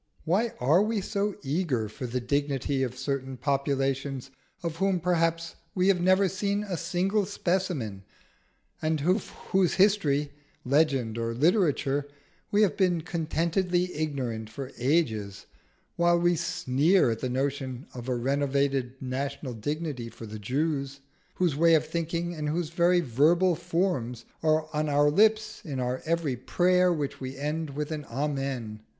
Why are we so eager for the dignity of certain populations of whom perhaps we have never seen a single specimen, and of whose history, legend, or literature we have been contentedly ignorant for ages, while we sneer at the notion of a renovated national dignity for the Jews, whose ways of thinking and whose very verbal forms are on our lips in every prayer which we end with an Amen?